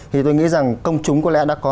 thì tôi nghĩ rằng công chúng có lẽ đã có